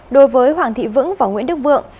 đối với hoàng thị vững và nguyễn đức vượng